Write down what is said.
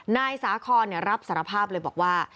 นายสาขอร์เนี่ยรับสารภาพเลยบอกว่า